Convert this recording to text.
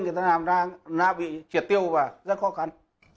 người ta làm ra là bị triệt tiêu và rất khó khăn